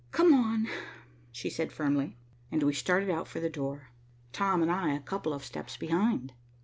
"Come on," she said firmly, and we started out for the door, Tom and I a couple of steps behind.